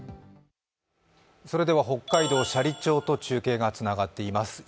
北海道斜里町と中継がつながっています。